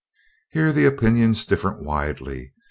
Here opinions differed widely.